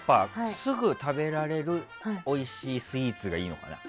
すぐ食べられるおいしいスイーツがいいのかな。